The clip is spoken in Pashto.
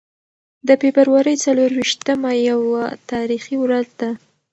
د فبرورۍ څلور ویشتمه یوه تاریخي ورځ ده.